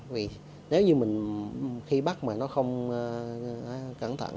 vì nếu như mình khi bắt mà nó không cẩn thận